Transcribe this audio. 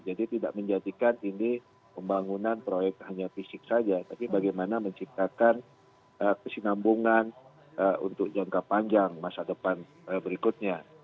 jadi tidak menjadikan ini pembangunan proyek hanya fisik saja tapi bagaimana menciptakan kesinambungan untuk jangka panjang masa depan berikutnya